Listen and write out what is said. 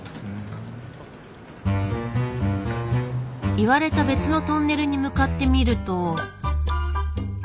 言われた別のトンネルに向かってみると。